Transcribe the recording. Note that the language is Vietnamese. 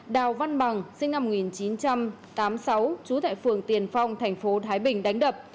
đào văn bằng sinh năm một nghìn chín trăm tám mươi sáu trú tại phường tiền phong thành phố thái bình đánh đập